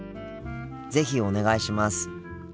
是非お願いします。